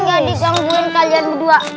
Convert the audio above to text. makan sayurnya enak banget